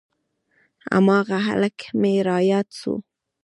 هماغه هلک مې راياد سو.